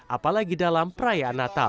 apalagi dalam perayaan natal